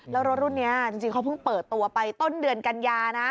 แล้วรถรุ่นนี้จริงเขาเพิ่งเปิดตัวไปต้นเดือนกันยานะ